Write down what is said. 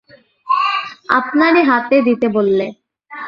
আপনারই হাতে দিতে বললে।